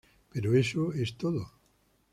Pero eso es todo.